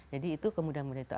jadi itu kemudian mudian